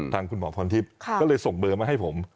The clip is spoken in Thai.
ทางคุณหมอพรทิพย์ก็เลยส่งเบอร์มาให้ผม